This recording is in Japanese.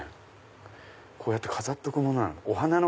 こうやって飾っておくもの？